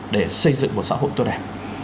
để xây dựng một xã hội tốt đẹp